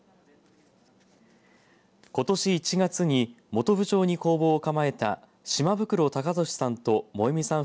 ことし１月に本部町に工房を構えた島袋貴寿さんと萌美さん